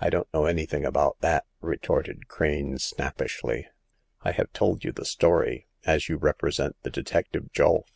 I don't know anything about that !*' retorted Crane, snappishly. I have told you the story, as you represent the detective Julf.